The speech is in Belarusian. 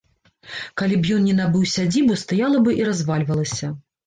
Калі б ён не набыў сядзібу, стаяла бы і развальвалася.